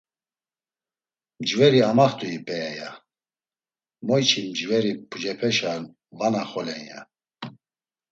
“Mcveri amaxt̆ui p̌ea?” ya; “Moyçi mcveri pucepeşa va naxolen!” ya.